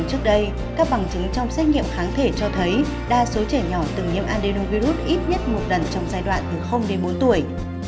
trước đây các bằng chứng trong xét nghiệm kháng thể cho thấy đa số trẻ nhỏ từng nhiễm adenovirus ít nhất một lần trong giai đoạn từ đến bốn tuổi